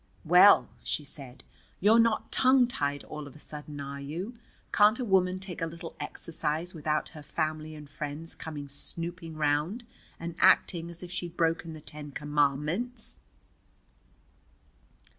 "Well?" she said. "You're not tongue tied all of a sudden, are you? Can't a woman take a little exercise without her family and friends coming snooping round and acting as if she'd broken the Ten Commandments?"